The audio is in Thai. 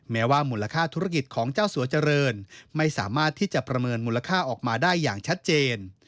แม้ว่ามูลค่าธุรกิจของเจ้าสัวเจริญไม่สามารถที่จะประเมินมูลค่าออกมาได้อย่างชัดเจน